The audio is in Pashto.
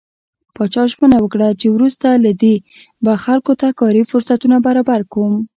پاچا ژمنه وکړه چې وروسته له دې به خلکو ته کاري فرصتونه برابر کوم .